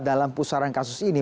dalam pusaran kasus ini